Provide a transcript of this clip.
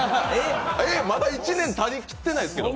えっ、まだ１年たちきってないですけど。